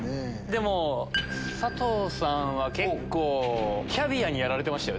でも佐藤さんは結構キャビアにやられてましたよね。